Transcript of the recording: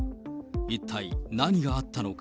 一体何があったのか。